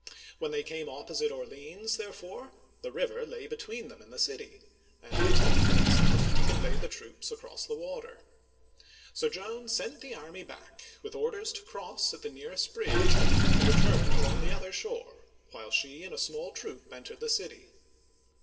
When they came opposite Orleans, therefore, the river lay between them and the city, and there were not boats enough to convey the troops across the water ! So Joan Digitized by Google CHARLES VII. (1422 1461) 191 sent the army back, with orders to cross at the nearest bridge and return along the other shore, while she and a small trpop entered the city.